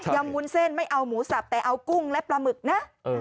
วุ้นเส้นไม่เอาหมูสับแต่เอากุ้งและปลาหมึกนะ